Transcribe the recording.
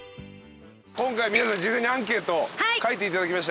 今回皆さん事前にアンケート書いていただきましたね。